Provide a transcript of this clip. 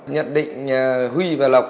nhận định huy và lộc